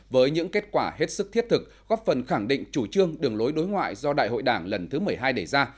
với những kết quả hết sức thiết thực góp phần khẳng định chủ trương đường lối đối ngoại do đại hội đảng lần thứ một mươi hai đề ra